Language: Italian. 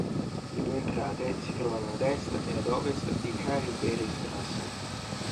Le due entrate si trovano ad est e ad ovest di Carl-Wery-Straße.